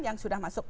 yang sudah masuk